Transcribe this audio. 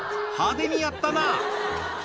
派手にやったな！